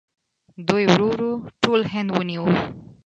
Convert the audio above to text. دوی ورو ورو ټول هند ونیو.